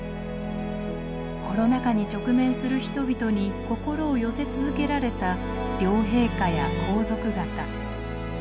コロナ禍に直面する人々に心を寄せ続けられた両陛下や皇族方。